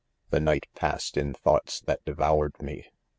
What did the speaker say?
c The night passed in thoughts that devour ed me.